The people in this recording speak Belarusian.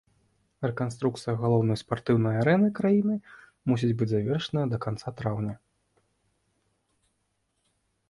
Рэканструкцыя галоўнай спартыўнай арэны краіны мусіць быць завершаная да канца траўня.